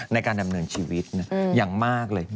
ในการดำเนินชีวิตอย่างมากเลย